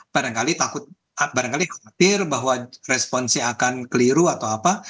barangkali takut barangkali khawatir bahwa responsnya akan keliru atau apa